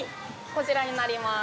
こちらになります。